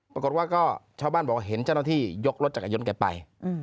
ปรากฏว่าก็ชาวบ้านบอกเห็นเจ้าหน้าที่ยกรถจักรยานยนต์แกไป